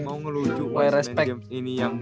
mau ngelucu wiseman james ini yang